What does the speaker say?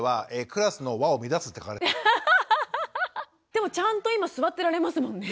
でもちゃんと今座ってられますもんね。